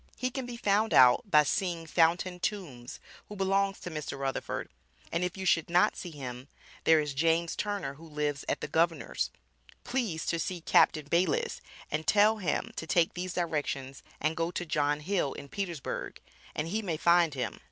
He can be found out by seeing Fountain Tombs who belongs to Mr. Rutherford and if you should not see him, there is James Turner who lives at the Governors, Please to see Captain Bayliss and tell him to take these directions and go to John Hill, in Petersburgh, and he may find him.